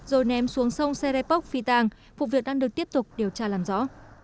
rồi ném xuống sông serepok phi tàng phục viện đang được tiếp tục điều tra làm rõ